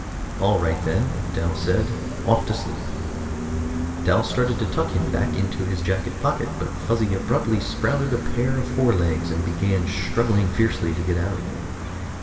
"All right, then," Dal said. "Off to sleep." Dal started to tuck him back into his jacket pocket, but Fuzzy abruptly sprouted a pair of forelegs and began struggling fiercely to get out again.